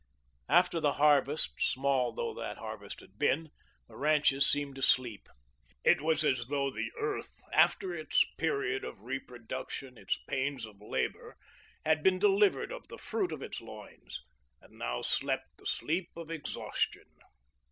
After the harvest, small though that harvest had been, the ranches seemed asleep. It was as though the earth, after its period of reproduction, its pains of labour, had been delivered of the fruit of its loins, and now slept the sleep of exhaustion.